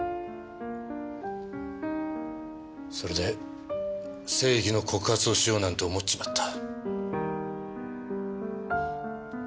それで正義の告発をしようなんて思っちまった。